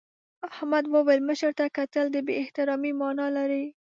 احمد وویل مشر ته کتل د بې احترامۍ مانا لري.